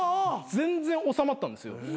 全然収まったんですよ。